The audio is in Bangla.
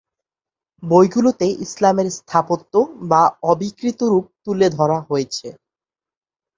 বইগুলোতে ইসলামের স্থাপত্য বা অবিকৃত রূপ তুলে ধরা হয়েছে।